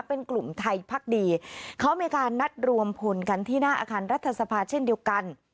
เป็นกลุ่มไทยพักดีเขามีการนัดรวมพลกันที่หน้าอาคารรัฐสภาเช่นเดียวกัน